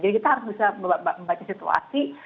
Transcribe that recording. jadi kita harus bisa membaca situasi